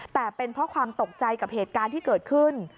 แต่เป็นเพราะความตกใจกับเหตุการณ์ที่เกิดขึ้น